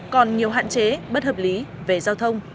còn nhiều hạn chế bất hợp lý về giao thông